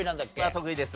得意です